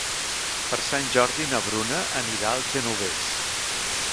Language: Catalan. Per Sant Jordi na Bruna anirà al Genovés.